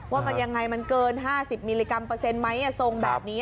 ว่ามันยังไงมันเกิน๕๐มิลลิกรัมเปอร์เซ็นต์ไหมทรงแบบนี้